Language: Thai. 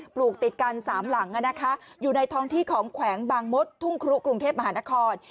ปลูกติดกัน๓หลังอยู่ในท้องที่ของแขวงบางมดทุ่งครุกรุงเทพมหานคร